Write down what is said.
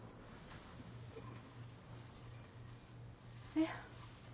えっ？